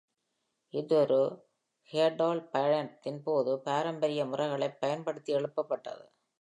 இது ஒரு ஹெயர்டால் பயணத்தின் போது பாரம்பரிய முறைகளைப் பயன்படுத்தி எழுப்பப்பட்டது.